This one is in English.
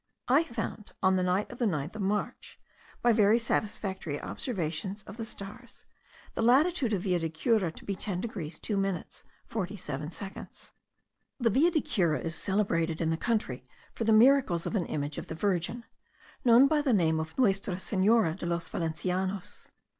I found, on the night of the 9th of March, by very satisfactory observations of the stars, the latitude of Villa de Cura to be 10 degrees 2 minutes 47 seconds. The Villa de Cura is celebrated in the country for the miracles of an image of the Virgin, known by the name of Nuestra Senora de los Valencianos.